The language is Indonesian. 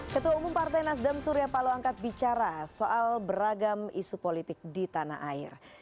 ketua umum partai nasdam surya paloangkat bicara soal beragam isu politik di tanah air